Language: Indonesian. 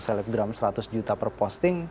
selebgram seratus juta per posting